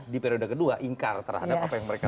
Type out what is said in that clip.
di periode kedua ingkar terhadap apa yang mereka